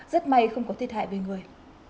rất may không có thiệt hại về người